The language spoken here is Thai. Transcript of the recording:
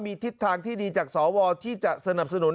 มีทิศทางที่ดีจากสวที่จะสนับสนุน